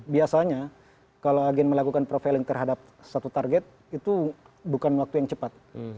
biasanya kalau agen melakukan profiling terhadap satu target itu bukan waktu yang cepat